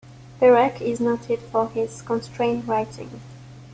Perec is noted for his constrained writing.